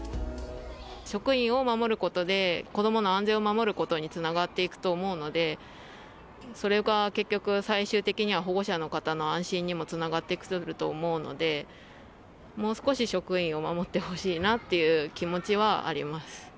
職員を守ることで、子どもの安全を守ることにつながっていくと思うので、それが結局、最終的には保護者の方の安心にもつながってくると思うので、もう少し職員を守ってほしいなっていう気持ちはあります。